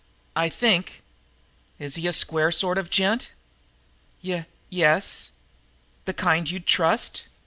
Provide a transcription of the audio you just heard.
"I think " "Is he a square sort of gent?" "Y yes." "The kind you'd trust?"